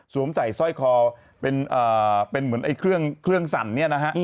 สวมใส่สร้อยคอเป็นเหมือนเครื่องสั่น